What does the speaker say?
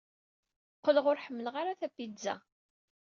Qqleɣ ur ḥemmleɣ ara tapizza.